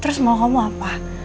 terus mau kamu apa